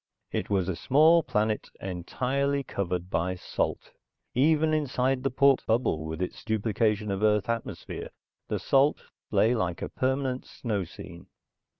It was a small planet, entirely covered by salt. Even inside the port bubble with its duplication of Earth atmosphere, the salt lay like a permanent snow scene.